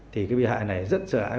thì cái bị hại này rất sợ hãi